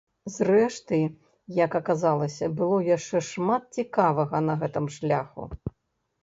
Зрэшты, як аказалася, было яшчэ шмат цікавага на гэтым шляху.